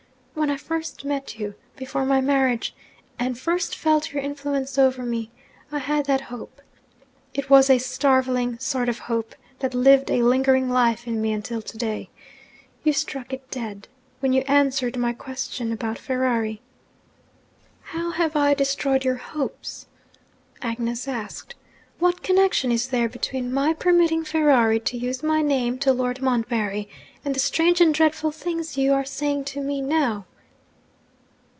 When I first met you, before my marriage, and first felt your influence over me, I had that hope. It was a starveling sort of hope that lived a lingering life in me until to day. You struck it dead, when you answered my question about Ferrari.' 'How have I destroyed your hopes?' Agnes asked. 'What connection is there between my permitting Ferrari to use my name to Lord Montbarry, and the strange and dreadful things you are saying to me now?'